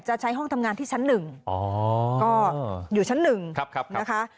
จะใช้ห้องทำงานที่ชั้นหนึ่งอ๋อก็อยู่ชั้นหนึ่งครับครับนะคะ